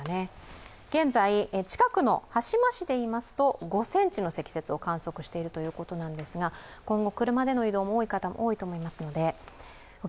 現在、近くの羽島市で言いますと５ｃｍの積雪を観測しているということですが今後、車での移動も多い方も多いと思いますので。